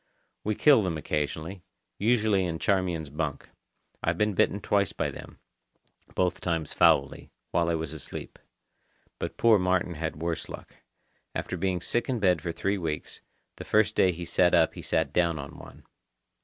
We kill them occasionally, usually in Charmian's bunk. I've been bitten twice by them, both times foully, while I was asleep. But poor Martin had worse luck. After being sick in bed for three weeks, the first day he sat up he sat down on one.